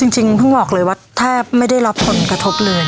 จริงเพิ่งบอกเลยว่าแทบไม่ได้รับผลกระทบเลย